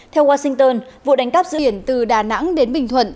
theo washington vụ đánh cắp dữ liệu an ninh từ đà nẵng đến bình thuận